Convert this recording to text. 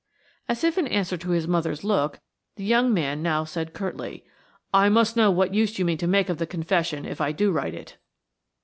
As if in answer to his mother's look the young man now said curtly: "I must know what use you mean to make of the confession if I do write it."